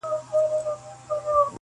o غوجله لا هم خاموشه ولاړه ده,